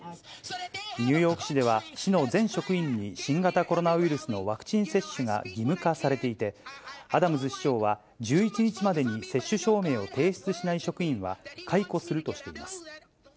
ニューヨーク市では、市の全職員に新型コロナウイルスのワクチン接種が義務化されていて、アダムズ市長は、１１日までに接種証明を提出しない職員は、解雇するとしています。